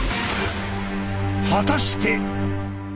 果たして。